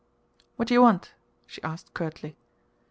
"What do you want?" she asked curtly.